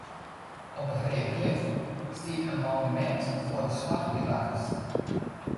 Op it Reaklif stiet in monumint foar de slach by Warns.